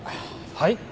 はい？